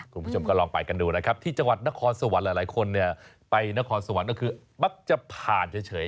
คุณผู้ชมก็ลองไปกันดูนะครับที่จังหวัดนครสวรรค์หลายคนเนี่ยไปนครสวรรค์ก็คือมักจะผ่านเฉย